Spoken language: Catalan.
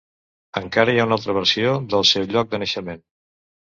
Encara hi ha una altra versió del seu lloc de naixement.